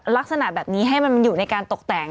ลักษณะแบบนี้ให้มันอยู่ในการตกแต่ง